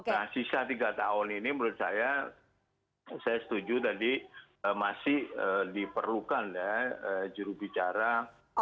nah sisa tiga tahun ini menurut saya saya setuju tadi masih diperlukan ya jurubicara